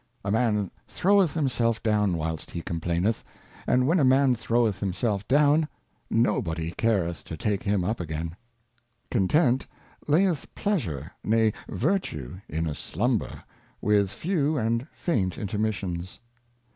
A Man throweth himself down whilst he complaineth ; and when a Man throweth himself down, no body careth to take him up again. Content. CONTENT layeth Pleasure, nay Virtue, in a Slumber, with few and faint Intermissions.